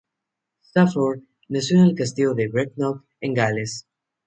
Stafford nació en el castillo de Brecknock, en Gales.